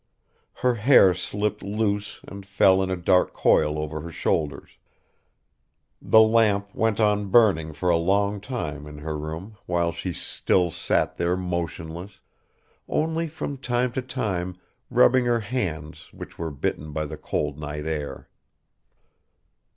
Her hair slipped loose and fell in a dark coil over her shoulders. The lamp went on burning for a long time in her room while she still sat there motionless, only from time to time rubbing her hands which were bitten by the cold night air.